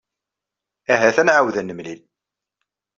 Ahat ad nɛawed ad nemlil.